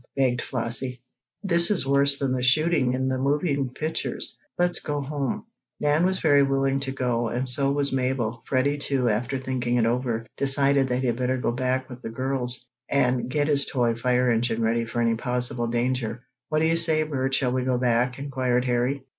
begged Flossie. "This is worse than the shooting in the moving pictures. Let's go home." Nan was very willing to go, and so was Mabel. Freddie, too, after thinking it over, decided that he had better go back with the girls, and get his toy fire engine ready for any possible danger. "What do you say, Bert, shall we go back?" inquired Harry.